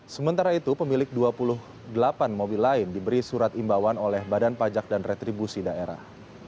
sementara itu pemilik dua puluh delapan mobil lain diberi surat imbauan oleh badan pajak dan retribusi daerah